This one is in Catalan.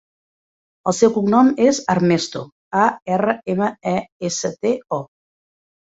El seu cognom és Armesto: a, erra, ema, e, essa, te, o.